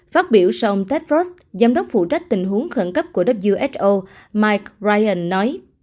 phát biểu sau ông tedros giám đốc phụ trách tình huống khẩn cấp của who mike brian nói